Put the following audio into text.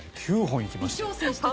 ９本行きました。